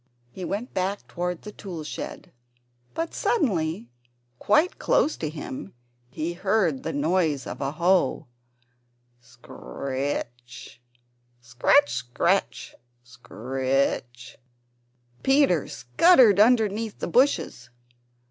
He went back toward the tool shed, but suddenly, quite close to him, he heard the noise of a hoe scr r ritch, scratch, scratch, scratch. Peter scuttered underneath the bushes.